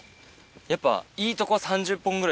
いいとこ３０本ぐらい。